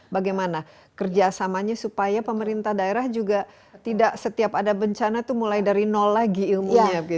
bagaimana kerjasamanya supaya pemerintah daerah juga tidak setiap ada bencana itu mulai dari nol lagi ilmunya